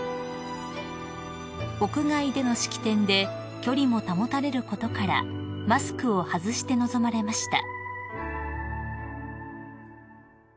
［屋外での式典で距離も保たれることからマスクを外して臨まれました］